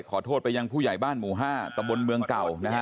ขอโทษไปยังผู้ใหญ่บ้านหมู่๕ตะบนเมืองเก่านะฮะ